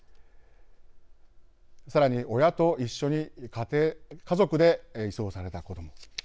さらに親と一緒に家族で移送された子ども。